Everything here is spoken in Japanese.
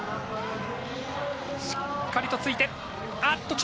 しっかりと、ついて。